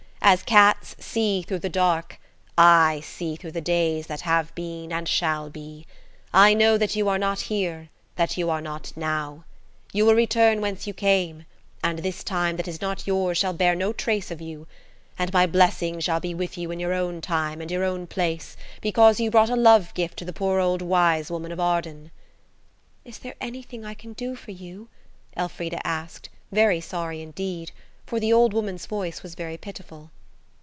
As cats see through the dark, I see through the days that have been and shall be. I know that you are not here, that you are not now. You will return whence you came, and this time that is not yours shall bear no trace of you. And my blessing shall be with you in your own time and your own place, because you brought a love gift to the poor old wise woman of Arden." "Is there anything I can do for you?" Elfrida asked, very sorry indeed, for the old woman's voice was very pitiful.